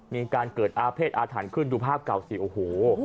มีการเกิดอาเภษอาถรรพ์ขึ้นดูภาพเก่าสิโอ้โห